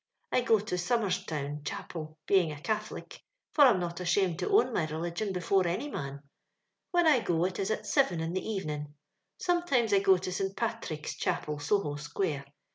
I go to Somer's town Cha pel, being a Catholic, for I'm not ashamed to own my religion before any man. When I go, it is at siven in the evening. Sometimes I • go to St Pathrick's Chapel, Soho square.